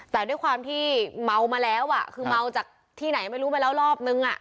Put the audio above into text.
แต่ด้วยความที่เมามาแล้วคือเมาจากที่ไหนไม่รู้ไปแล้วรอบนึง